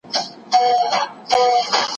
زه به اوږده موده لاس مينځلي وم!!